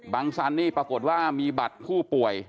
สันนี่ปรากฏว่ามีบัตรผู้ป่วย